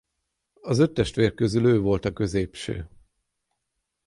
Az öt testvér közül ő volt a középső.